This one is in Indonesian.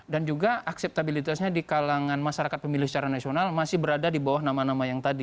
juga akseptabilitasnya di kalangan masyarakat pemilih secara nasional masih berada di bawah nama nama yang tadi